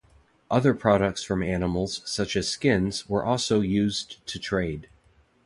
Other products from animals such as skins were also used to trade.